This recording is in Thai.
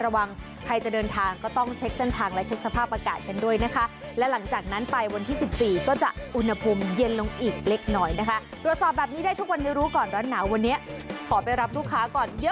วันนี้ขอไปรับลูกค้าก่อนเยอะจริงค่ะสวัสดีค่ะ